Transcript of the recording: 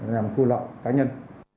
làm khu lợi cá nhân